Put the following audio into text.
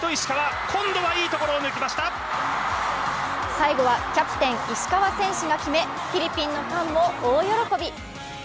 最後はキャプテン・石川選手が決めフィリピンのファンも大喜び。